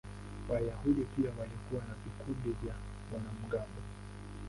Wayahudi pia walikuwa na vikundi vya wanamgambo.